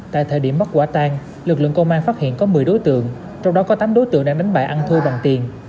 tại thời điểm bắt quả tang lực lượng công an phát hiện có một mươi đối tượng trong đó có tám đối tượng đang đánh bài ăn thu bằng tiền